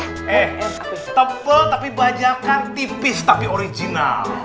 eh tebal tapi bajakan tipis tapi original